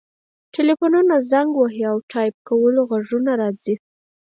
ټیلیفونونه زنګ وهي او د ټایپ کولو غږونه راځي